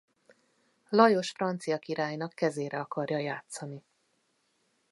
Lajos francia királynak kezére akarja játszani.